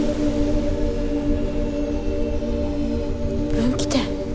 分岐点。